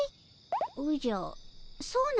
おじゃそうなのかの。